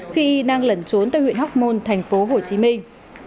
khi đang lẩn trốn tại huyện hóc môn thành phố hồ chí minh